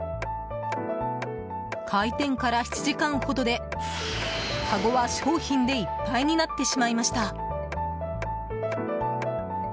開店から７時間ほどでかごは商品でいっぱいになってしまいました。